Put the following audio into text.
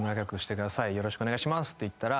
「よろしくお願いします」って言ったら。